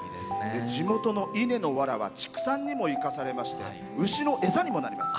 地元の稲のわらは畜産にも生かされまして牛の餌にもなります。